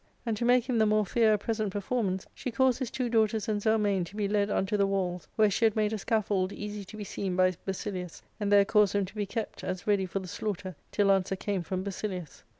And, to make him the more fear a present performance, she caused his two daughters and Zelmane to be led unto the walls, where she had made a scaffold easy to be seen by Basilius, and there caused them to be kept, as ready for the slaughter, till answer came from Basilius.